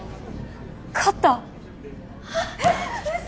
勝った嘘！